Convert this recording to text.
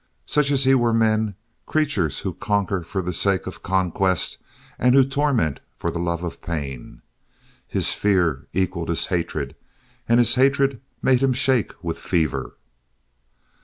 Such as he were men, creatures who conquer for the sake of conquest and who torment for the love of pain. His fear equalled his hatred, and his hatred made him shake with fever.